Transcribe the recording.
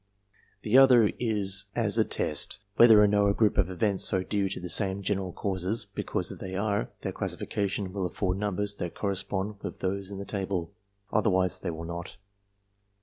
The other is as a test, whether or no a group of events are due to the same general causes ; because, if they are, their classification will afford numbers that correspond with those in the table ; otherwise they will not.